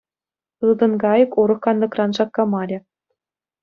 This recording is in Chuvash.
Ылтӑн кайӑк урӑх кантӑкран шаккамарӗ.